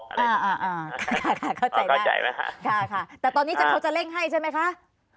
อ่าอ่าอ่าค่ะค่ะค่ะเข้าใจไหมค่ะค่ะค่ะแต่ตอนนี้จะเขาจะเร่งให้ใช่ไหมคะ